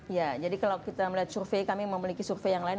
ya jadi kalau kita melihat survei kami memiliki survei yang lain